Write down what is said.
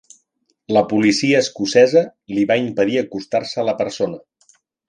La policia escocesa li va impedir acostar-se a la persona.